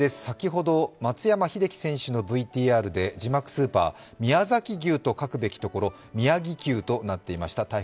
先ほど松山英樹選手のＶＴＲで、字幕スーパー、宮崎牛と書くべきところ宮城牛となっていました。